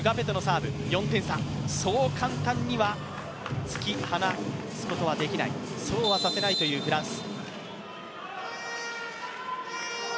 そう簡単には突き放すことはできない、そうはさせないというフランス。